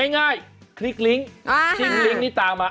ง่ายคลิกลิงค์จิ้มลิงค์นี้ตามมา